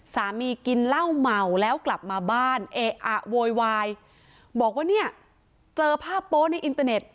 กินเหล้าเมาแล้วกลับมาบ้านเอ๊ะอะโวยวายบอกว่าเนี่ยเจอภาพโป๊ะในอินเตอร์เน็ต